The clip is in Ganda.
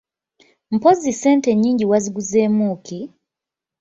Mpozzi ssente ennyingi waziguzeemu ki?